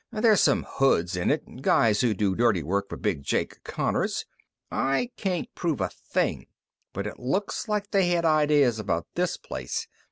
"There's some hoods in it guys who do dirty work for Big Jake Connors. I can't prove a thing, but it looks like they had ideas about this place.